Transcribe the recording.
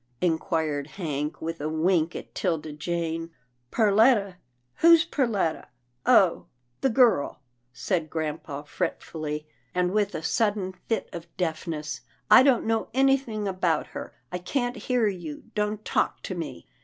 inquired Hank with a wink at 'Tilda Jane. " Perletta — who's Perletta — oh ! the girl," said grampa fretfully, and with a sudden fit of deafness. " I don't know anything about her. I can't hear you. Don't talk to me."